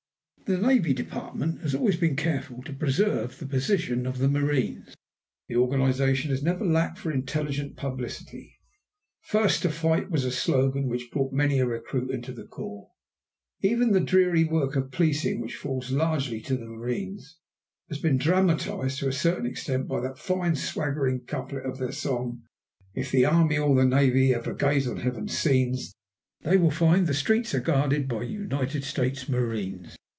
The Navy Department has always been careful to preserve the tradition of the marines. The organization has never lacked for intelligent publicity. "First to fight" was a slogan which brought many a recruit into the corps. Even the dreary work of policing, which falls largely to the marines, has been dramatized to a certain extent by that fine swaggering couplet of their song: "If the army or the navy ever gaze on heaven's scenes, They will find the streets are guarded by United States marines."